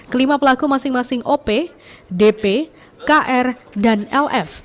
kelima pelaku masing masing op dp kr dan lf